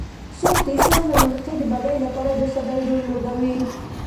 څوک د سمت او منطقې د بدۍ لپاره د خدۍ رول لوبوي.